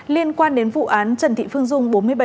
liên quan đến vụ án trần thị phương dung bốn mươi bảy tuổi